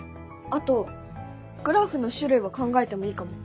あとグラフの種類を考えてもいいかも。